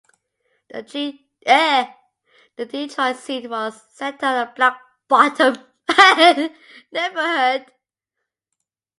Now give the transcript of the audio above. The Detroit scene was centered on the Black Bottom neighborhood.